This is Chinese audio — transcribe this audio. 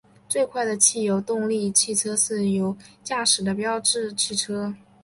最快的汽油动力汽车是由驾驶的标致汽车。